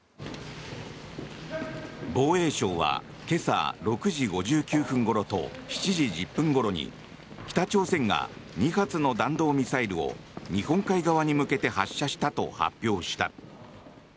防衛省は今朝６時５９分ごろと７時１０分ごろに北朝鮮が２発の弾道ミサイルを日本海側に向けて発射したと発表した。